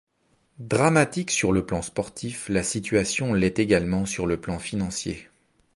Dramatique sur le plan sportif, la situation l'est également sur le plan financier.